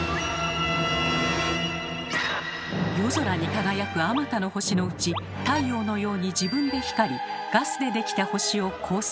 夜空に輝くあまたの星のうち太陽のように自分で光りガスでできた星を「恒星」